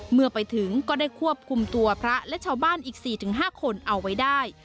เมื่อไปถึงก็ได้ควบคุมตัวพระและชาวบ้านอีก๔๕คนเอาไว้ได้